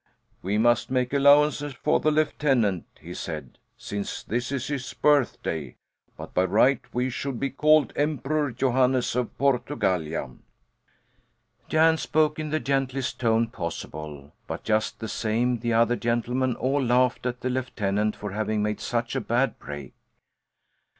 "We must make allowances for the lieutenant," he said, "since this is his birthday; but by rights we should be called Emperor Johannes of Portugallia." Jan spoke in the gentlest tone possible, but just the same the other gentlemen all laughed at the lieutenant for having made such a bad break.